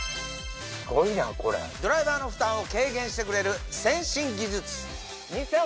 ドライバーの負担を軽減してくれる先進技術